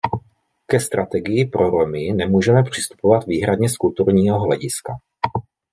Ke strategii pro Romy nemůžeme přistupovat výhradně z kulturního hlediska.